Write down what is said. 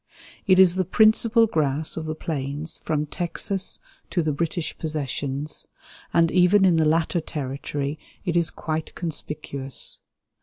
It is the principal grass of the plains from Texas to the British Possessions, and even in the latter territory it is quite conspicuous.